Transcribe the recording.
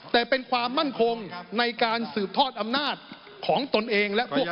แต่เป็นความมั่นคงในการสืบทอดอำนาจของตนเองและพวก